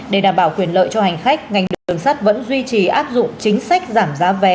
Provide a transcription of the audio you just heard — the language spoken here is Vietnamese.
để đảm bảo quyền lợi cho hành khách ngành đường sắt vẫn duy trì áp dụng chính sách giảm giá vé